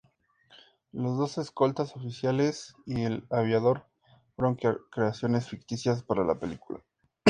Los dos escoltas oficiales y el aviador fueron creaciones ficticias para la película..